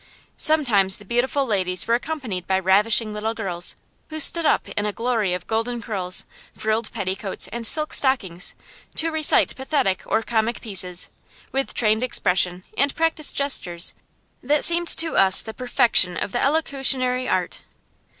Sometimes the beautiful ladies were accompanied by ravishing little girls who stood up in a glory of golden curls, frilled petticoats, and silk stockings, to recite pathetic or comic pieces, with trained expression and practised gestures that seemed to us the perfection of the elocutionary art.